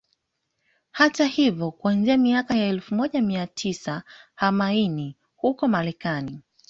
Hata hivyo kuanzia miaka ya elfu moja mia tisa hamaini huko Marekani